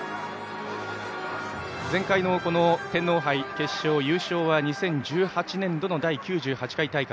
前回の天皇杯優勝は２０１８年度の第９８回大会。